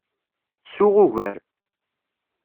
Suɣ ugar.